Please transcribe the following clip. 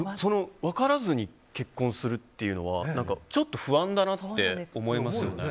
分からずに結婚するというのはちょっと不安だなって思いますね。